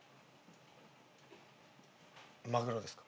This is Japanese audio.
マグロですか？